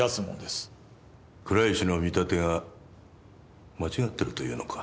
倉石の見立てが間違ってるというのか？